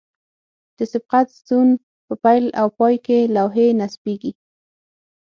د سبقت زون په پیل او پای کې لوحې نصبیږي